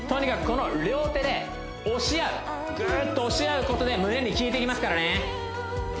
この両手で押し合うグーっと押し合うことで胸に効いてきますからね